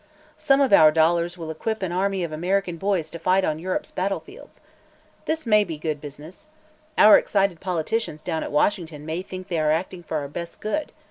Some of our dollars will equip an army of Amer ican boys to fight on Europe's battle fields. This may be good business. Our excited politicians down at Washington may think they are acting for our best good.